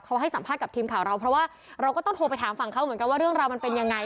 เขาให้สัมภาษณ์กับทีมข่าวเราเพราะว่าเราก็ต้องโทรไปถามฝั่งเขาเหมือนกันว่าเรื่องราวมันเป็นยังไง